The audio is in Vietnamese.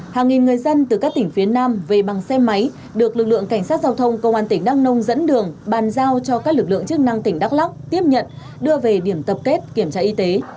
hàng nghìn người dân từ các tỉnh phía nam về bằng xe máy được lực lượng cảnh sát giao thông công an tỉnh đăng nông dẫn đường bàn giao cho các lực lượng chức năng tỉnh đắk lắk tiếp nhận đưa về điểm tập kết kiểm tra y tế